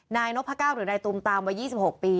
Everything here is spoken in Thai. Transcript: นายนพก้าวหรือนายตูมตามวัย๒๖ปี